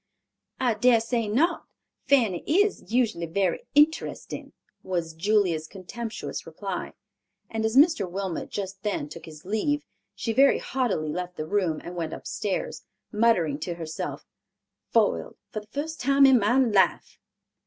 "I dare say not; Fanny is usually very interesting," was, Julia's contemptuous reply, and as Mr. Wilmot just then took his leave, she very haughtily left the room and went upstairs, muttering to herself, "Foiled for the first time in my life."